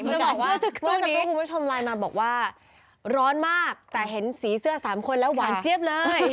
จะบอกว่าเมื่อสักครู่คุณผู้ชมไลน์มาบอกว่าร้อนมากแต่เห็นสีเสื้อ๓คนแล้วหวานเจี๊ยบเลย